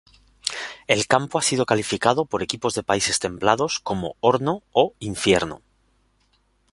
El campo ha sido calificado por equipos de países templados como "horno" o "infierno".